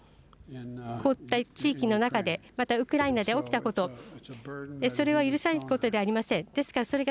そして、こういった地域の中で、またウクライナで起きたこと、それは許されることではありません。